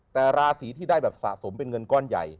แต่ราศีที่ได้แบบสะสมเป็นเงินก้อนใหญ่